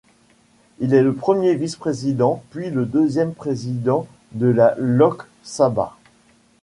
Il est le premier vice-président puis le deuxième président de la Lok Sabha.